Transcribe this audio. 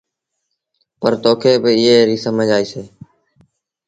پر توکي پوء ايٚئي ريٚ سمجھ آئيٚسي۔